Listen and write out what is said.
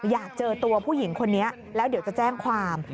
อยากเจอตัวผู้หญิงคนนี้แล้วเดี๋ยวจะแจ้งความ